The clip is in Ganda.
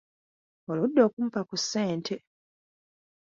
Oludde okumpa ku ssente.